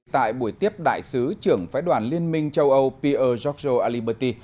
tại buổi tiếp đại sứ trưởng phái đoàn liên minh châu âu pierre georges alimberti